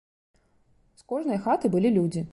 З кожнай хаты былі людзі.